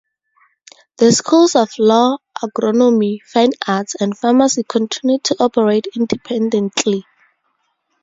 The schools of law, agronomy, fine arts, and pharmacy continued to operate independently.